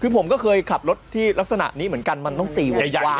ผมก็เคยขับลดที่ลักษณะนี้เหมือนกันมันต้องตีวงกว้าง